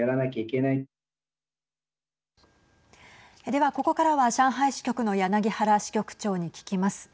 では、ここからは上海支局の柳原支局長に聞きます。